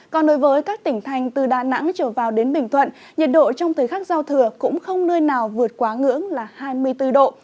còn đối với các tỉnh thành từ đà nẵng trở vào đến bình thuận nhiệt độ trong thời khắc giao thừa cũng không nơi nào vượt quá ngưỡng là hai mươi bốn độ